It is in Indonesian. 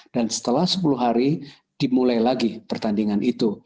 dan setelah sepuluh hari dimulai lagi pertandingan itu